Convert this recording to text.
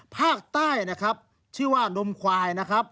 ภาครับชื่อว่านมไขว่นะครับ